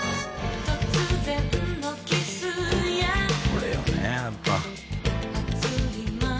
これよねやっぱ。